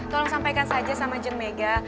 tolong sampaikan saja sama jen mega